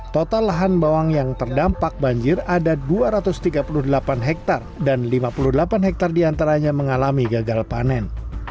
total lahan bawang yang terdampak banjir ada dua ratus tiga puluh delapan hektare dan lima puluh delapan hektare diantaranya mengalami gagal panen